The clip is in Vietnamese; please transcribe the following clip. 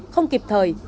không kịp thời